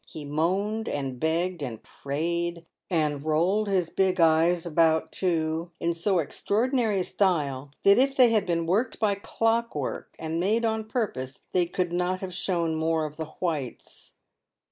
He moaned, and begged, and prayed, and rolled his big eyes about, too, in so extraordinary a style, that if they had been worked by clockwork, and made on purpose, they could not have shown more of the whites.